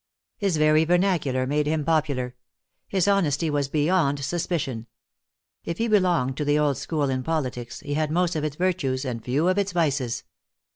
His very vernacular made him popular; his honesty was beyond suspicion. If he belonged to the old school in politics, he had most of its virtues and few of its vices.